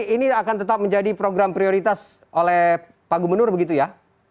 ini akan tetap menjadi program prioritas oleh pak gubernur begitu ya